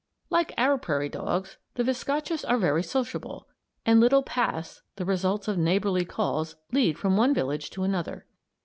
Like our prairie dogs, the viscachas are very sociable, and little paths, the result of neighborly calls, lead from one village to another.